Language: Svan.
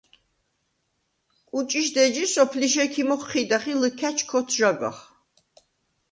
კუჭიშდ ეჯი სოფლიშ ექიმ ოხჴიდახ ი ლჷქა̈ჩ ქოთჟაგახ.